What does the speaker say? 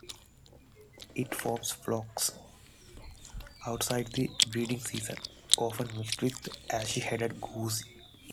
It forms flocks outside the breeding season, often mixed with ashy-headed goose.